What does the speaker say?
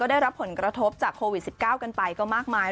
ได้รับผลกระทบจากโควิด๑๙กันไปก็มากมาย